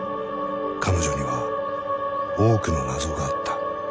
彼女には多くの謎があった。